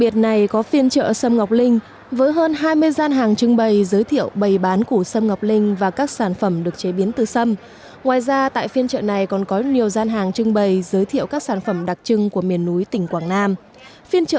tại lễ hội đặc biệt này có phiên trợ sâm ngọc linh với hơn hai mươi gian hàng trưng bày giới thiệu bày bán của sâm ngọc linh